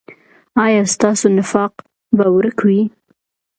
ایا ستاسو نفاق به ورک وي؟